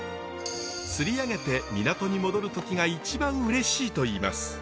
釣り上げて港に戻る時が一番うれしいといいます。